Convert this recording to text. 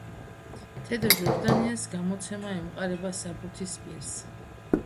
თედო ჟორდანიას გამოცემა ემყარება საბუთის პირს.